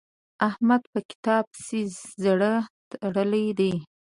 احمد په کتاب پسې زړه تړلی دی.